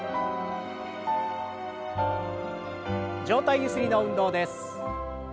上体ゆすりの運動です。